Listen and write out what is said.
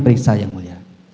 periksa yang mulia